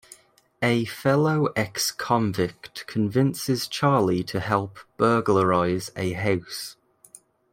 A fellow ex-convict convinces Charlie to help burglarize a house.